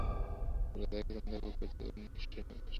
খোলা জায়গায় কিছুক্ষণ দাঁড়িয়ে বুক ভর্তি করে নিঃশ্বাস নেবেন, এ-আশায়।